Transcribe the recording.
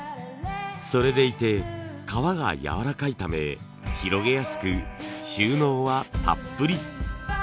それでいて革が柔らかいため広げやすく収納はたっぷり。